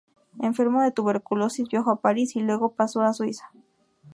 Enfermo de tuberculosis, viajó a París y luego pasó a Suiza.